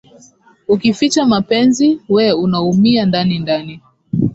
Ukificha mapenzi wee unaumia ndani ndani